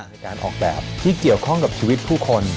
ในการออกแบบที่เกี่ยวข้องกับชีวิตผู้คน